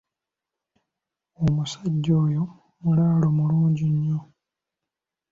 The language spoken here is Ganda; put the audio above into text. Omusajja oyo mulaalo mulungi nnyo.